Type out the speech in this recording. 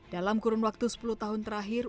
dalam kurun waktu sepuluh tahun terakhir